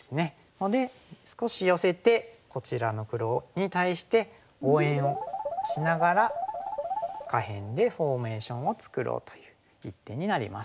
ので少し寄せてこちらの黒に対して応援をしながら下辺でフォーメーションを作ろうという一手になります。